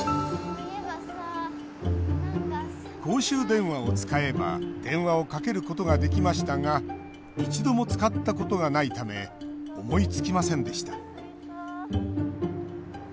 公衆電話を使えば電話をかけることができましたが一度も使ったことがないため思いつきませんでした。